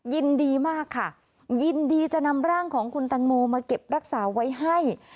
ยินดีมากค่ะยินดีจะนำร่างของคุณตังโมมาเก็บรักษาไว้ให้